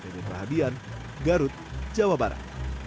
dari pahabian garut jawa barat